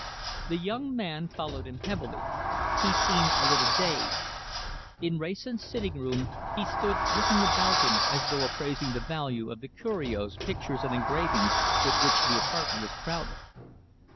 The young man followed him heavily. He seemed a little dazed. In Wrayson's sitting room, he stood looking about him as though appraising the value of the curios, pictures, and engravings with which the apartment was crowded.